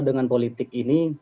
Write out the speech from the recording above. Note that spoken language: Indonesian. dengan politik ini